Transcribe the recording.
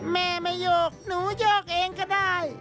แม่ไม่โยกหนูโยกเองก็ได้